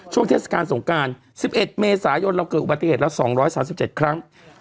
ช่วงเทศกาลสงการ๑๑เมษายนเราเกิดอุบัติเหตุแล้ว๒๓๗ครั้ง